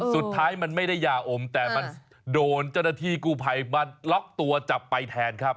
สุดท้ายมันไม่ได้ยาอมแต่มันโดนเจ้าหน้าที่กู้ภัยมาล็อกตัวจับไปแทนครับ